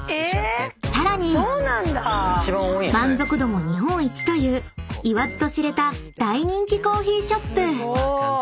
［さらに満足度も日本一という言わずと知れた大人気コーヒーショップ］